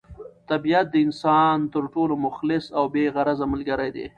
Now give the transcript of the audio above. طبیعت د انسان تر ټولو مخلص او بې غرضه ملګری دی.